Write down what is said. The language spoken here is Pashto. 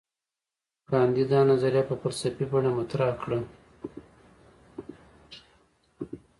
ګاندي دا نظریه په فلسفي بڼه مطرح کړه.